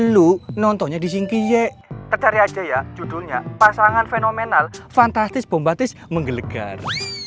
lu nontonnya di singkiye tercari aja ya judulnya pasangan fenomenal fantastis bombastis menggelegar